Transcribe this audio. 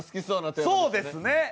そうですね。